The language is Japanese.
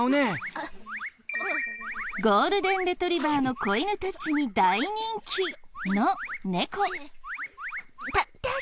ゴールデンレトリバーの子犬たちに大人気の猫。